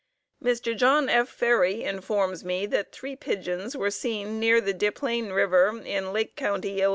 Mr. John F. Ferry informs me that three pigeons were seen near the Des Plaines River in Lake County, Ill.